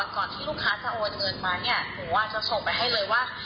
ก่อนที่ลูกค้าจะโอนเงินมาเนี่ยหนูอาจจะส่งไปให้เลยว่า